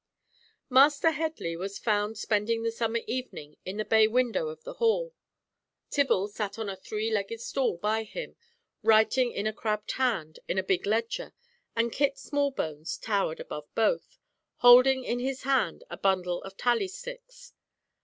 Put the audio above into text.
Master Headley was found spending the summer evening in the bay window of the hall. Tibble sat on a three legged stool by him, writing in a crabbed hand, in a big ledger, and Kit Smallbones towered above both, holding in his hand a bundle of tally sticks.